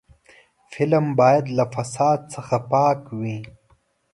فلم باید له فساد څخه پاک وي